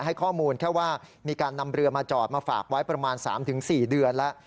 ให้ข้อมูลแค่ว่ามีการนำเรือมาจอดมาฝากไว้ประมาณ๓๔เดือนแล้ว